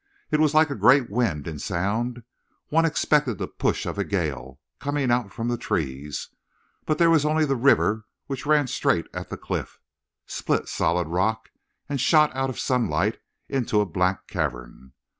It was like a great wind in sound; one expected the push of a gale, coming out from the trees, but there was only the river which ran straight at the cliff, split solid rock, and shot out of sunlight into a black cavern.